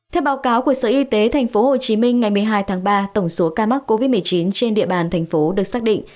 theo báo cáo của sở y tế tp hcm ngày một mươi hai tháng ba tổng số ca mắc covid một mươi chín trên địa bàn thành phố được xác định